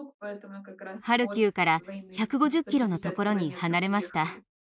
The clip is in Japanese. ハルキウから１５０キロのところに離れました。